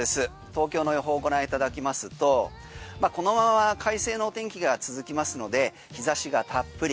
東京の予報をご覧いただきますとこのまま快晴の天気が続きますので日差しがたっぷり。